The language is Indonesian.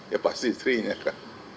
ya pasti istrinya kan